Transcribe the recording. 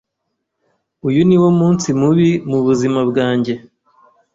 Uyu niwo munsi mubi mubuzima bwanjye.